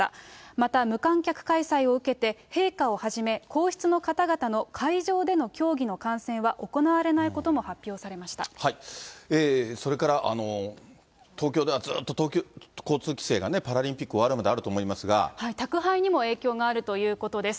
また無観客開催を受けて、陛下をはじめ、皇室の方々の会場での競技の観戦は行われないことも発表されましそれから、東京ではずっと交通規制がパラリンピック終わるまであると思いま宅配にも影響があるということです。